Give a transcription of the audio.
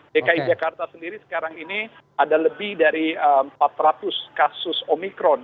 dki jakarta sendiri sekarang ini ada lebih dari empat ratus kasus omikron